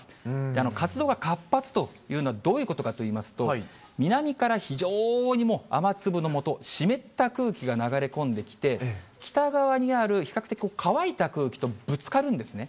活動が活発というのはどういうことかといいますと、南から非常にもう雨粒のもと、湿った空気が流れ込んできて、北側にある比較的、乾いた空気とぶつかるんですね。